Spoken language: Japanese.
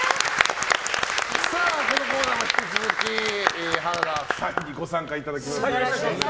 このコーナーも引き続き原田さんご夫妻にご参加いただきます。